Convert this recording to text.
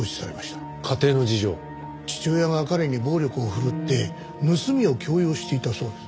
父親が彼に暴力を振るって盗みを強要していたそうです。